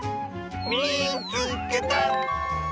「みいつけた！」。